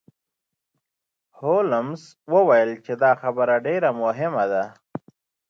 هولمز وویل چې دا خبره ډیره مهمه ده.